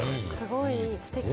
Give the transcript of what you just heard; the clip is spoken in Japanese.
すごいいいすてき。